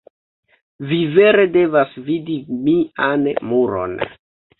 Vi vere devas vidi mian muron.